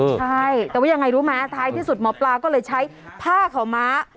ใช่แต่ว่ายังไงรู้ไหมท้ายที่สุดหมอปลาก็เลยใช้ผ้าขาวม้า